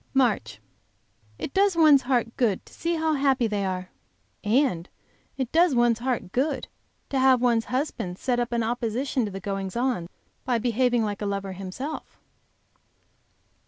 MARCH. It does one's heart good to see how happy they are! And it does one's heart good to have one's husband set up an opposition to the goings on by behaving like a lover himself.